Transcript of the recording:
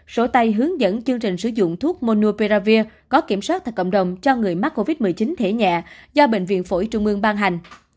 sổ tay hướng dẫn chương trình sử dụng thuốc monoperavir có kiểm soát tại cộng đồng cho người mắc covid một mươi chín thể nhẹ do bệnh viện phổi trung ương ban hành